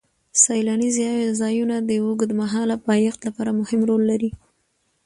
سیلاني ځایونه د اوږدمهاله پایښت لپاره مهم رول لري.